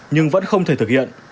nhưng vẫn không thể thực hiện